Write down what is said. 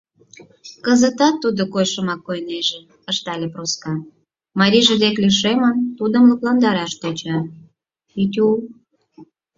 Кызытат тудо койышымак койнеже, — ышталеш Проска, марийже дек лишемын, тудым лыпландараш тӧча: — Петю...